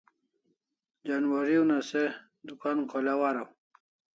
Janwari una se dukan kholaw araw